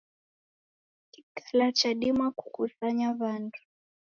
Kikala chadima kukusanya w'andu.